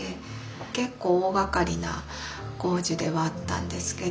結構大がかりな工事ではあったんですけど